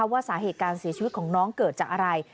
ว่าสาเหตุการเสียชีวิตของน้องเกิดจากอะไร